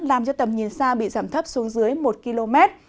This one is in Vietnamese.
làm cho tầm nhìn xa bị giảm thấp xuống dưới một km